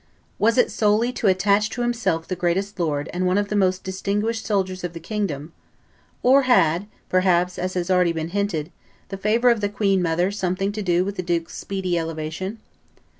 Was it solely to attach to himself the greatest lord and one of the most distinguished soldiers of the kingdom, or had, perhaps, as has already been hinted, the favor of the queen mother something to do with the duke's speedy elevation?